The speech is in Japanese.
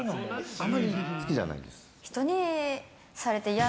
あまり好きじゃないです。